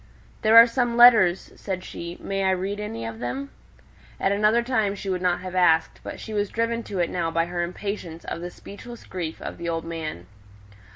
"There are some letters," said she: "may I read any of them?" At another time she would not have asked; but she was driven to it now by her impatience of the speechless grief of the old man.